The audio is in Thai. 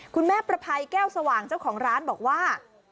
แม่ประภัยแก้วสว่างเจ้าของร้านบอกว่า